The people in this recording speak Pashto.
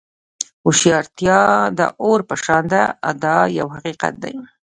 هوښیارتیا د اور په شان ده دا یو حقیقت دی.